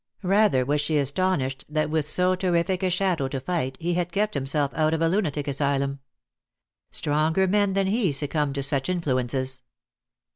Rather was she astonished that with so terrific a shadow to fight he had kept himself out of a lunatic asylum. Stronger men than he succumbed to such influences.